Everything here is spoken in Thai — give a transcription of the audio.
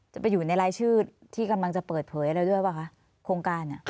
จะไปอยู่ในรายชื่อที่กำลังจะเปิดเผยอะไรด้วยป่ะคะโครงการ